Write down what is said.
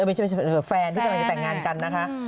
ไม่ใช่แฟนที่กำลังจะแต่งงานกันนะคะ